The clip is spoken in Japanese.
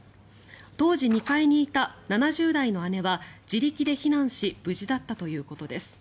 当時２階にいた７０代の姉は自力で避難し無事だったということです。